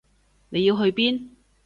你要去邊？